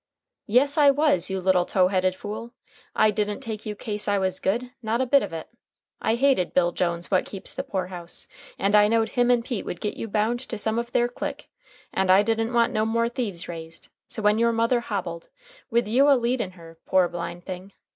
"Yes, I was, you little tow headed fool! I didn't take you kase I was good, not a bit of it. I hated Bill Jones what keeps the poor house, and I knowed him and Pete would get you bound to some of their click, and I didn't want no more thieves raised; so when your mother hobbled, with you a leadin' her, poor blind thing!